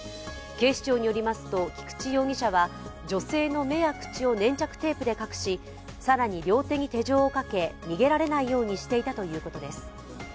警視庁によりますと、菊地容疑者は女性の目や口を粘着テープで隠し、さらに両手に手錠をかけ逃げられないようにしていたということです。